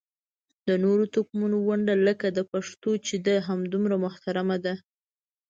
د نورو توکمونو ونډه لکه د پښتنو چې ده همدومره محترمه ده.